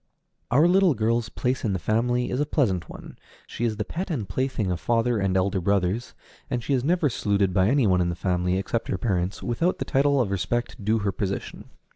Our little girl's place in the family is a pleasant one: she is the pet and plaything of father and elder brothers, and she is never saluted by any one in the family, except her parents, without the title of respect due to her position.